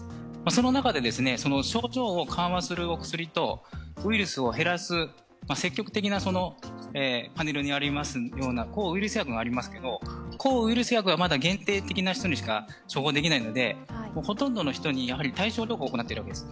その中で症状を緩和するお薬とウイルスを減らす、積極的な抗ウイルス薬がありますけれども、まだ限定的な人にしか処方できないのでほとんどの人に対症療法を行っているわけです。